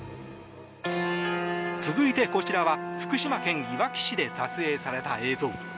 続いてこちらは福島県いわき市で撮影された映像。